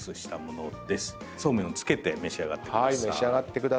そうめんをつけて召し上がってください。